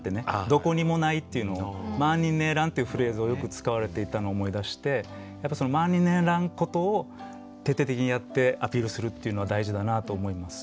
「どこにもない」っていうのを「まーにんねーらん」っていうフレーズをよく使われていたのを思い出してやっぱそのまーにんねーらんことを徹底的にやってアピールするっていうのは大事だなと思います。